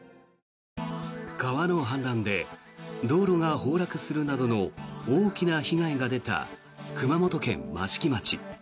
川の氾濫で道路が崩落するなどの大きな被害が出た熊本県益城町。